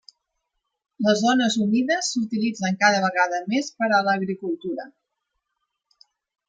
Les zones humides s'utilitzen cada vegada més per a l'agricultura.